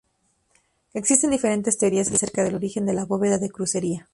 Existen diferentes teorías acerca del origen de la bóveda de crucería.